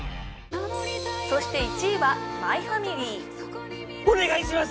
そして１位は「マイファミリー」お願いします！